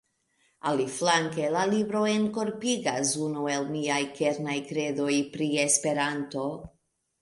Aliflanke, la libro enkorpigas unu el miaj kernaj kredoj pri Esperanto.